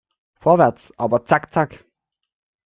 Vorwärts, aber zack zack!